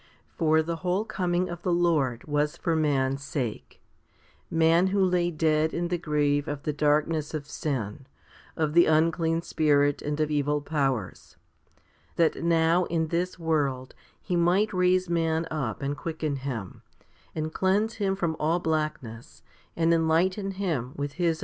5 2. For the whole coming of the Lord was for man's sake man who lay dead in the grave of the darkness of sin, of the unclean spirit and of evil powers that now in this world He might raise man up and quicken him, and cleanse him from all blackness, and enlighten him with His own 1 Ps.